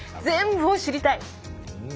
全部を知りたい！